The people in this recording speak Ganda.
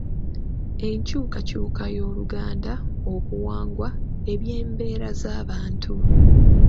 Enkyukakyuka y’Oluganda: obuwangwa, ebyembeera z’abantu